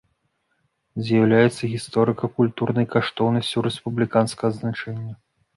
З'яўляецца гісторыка-культурнай каштоўнасцю рэспубліканскага значэння.